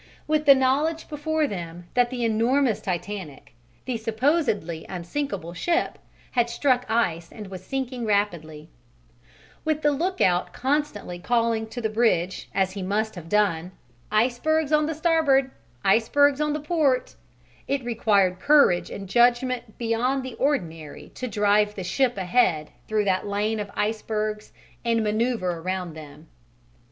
With the knowledge before them that the enormous Titanic, the supposedly unsinkable ship, had struck ice and was sinking rapidly; with the lookout constantly calling to the bridge, as he must have done, "Icebergs on the starboard," "Icebergs on the port," it required courage and judgment beyond the ordinary to drive the ship ahead through that lane of icebergs and "manoeuvre round them."